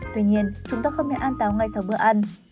tuy nhiên chúng ta không nên an táo ngay sau bữa ăn